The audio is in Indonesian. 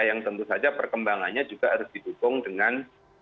yang tentu saja perkembangannya juga harus didukung dengan